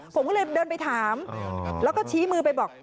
ผมก็เลยเดินไปถามแล้วก็ชี้มือไปบอก